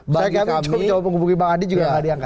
saya kan cukup mencoba penghubungi bang adi juga